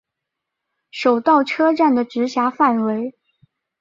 手稻车站的直辖范围。